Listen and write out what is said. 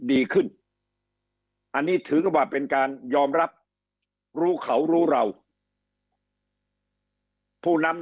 ดีขึ้นอันนี้ถือว่าเป็นการยอมรับรู้เขารู้เราผู้นำ